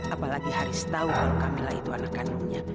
apalagi haris tahu kalau kamila itu anak kandungnya